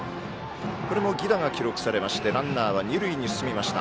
これも犠打が記録されましてランナーは二塁へ進みました。